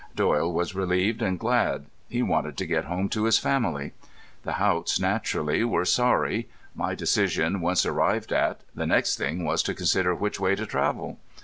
Doyle was relieved and glad. He wanted to get home to his family. The Haughts, naturally, were sorry. My decision once arrived at, the next thing was to consider which way to travel.